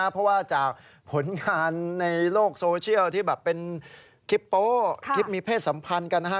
เพราะว่าจากผลงานในโลกโซเชียลที่แบบเป็นคลิปโป๊คลิปมีเพศสัมพันธ์กันนะฮะ